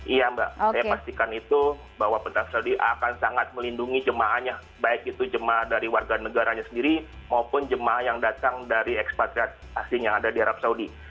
iya mbak saya pastikan itu bahwa pemerintah saudi akan sangat melindungi jemaahnya baik itu jemaah dari warga negaranya sendiri maupun jemaah yang datang dari ekspatriasi asing yang ada di arab saudi